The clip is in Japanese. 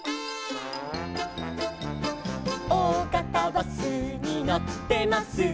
「おおがたバスに乗ってます」